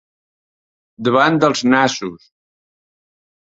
Davant dels nassos.